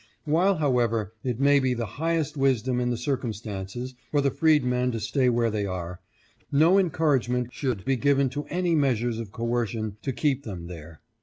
While, however, it may be the highest wisdom in the circumstances for the freedmen to stay where they are, no encouragement should be given to any measures of coercion to keep them there.